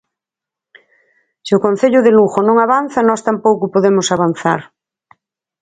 Se o Concello de Lugo non avanza, nós tampouco podemos avanzar.